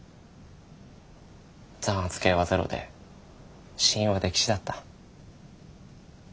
残圧計はゼロで死因は溺死だった。